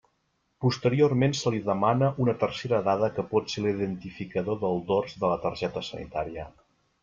Posteriorment se li demana una tercera dada que pot ser l'identificador del dors de la targeta sanitària.